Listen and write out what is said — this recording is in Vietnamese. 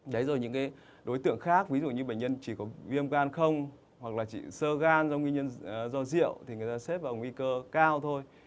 đấy rồi những cái đối tượng khác ví dụ như bệnh nhân chỉ có viêm gan không hoặc là chỉ sơ gan do diệu thì người ta xếp vào nguy cơ cao thôi